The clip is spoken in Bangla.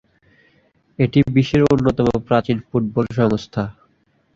এটি বিশ্বের অন্যতম প্রাচীন ফুটবল সংস্থা।